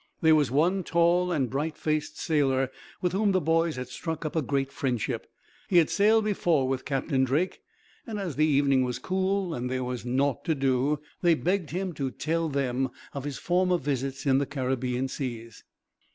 There was one tall and bright faced sailor with whom the boys had struck up a great friendship. He had sailed before with Captain Drake; and as the evening was cool, and there was naught to do, they begged him to tell them of his former visits in the Caribbean Seas.